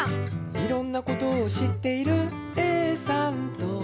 「いろんなことを知っているＡさんと」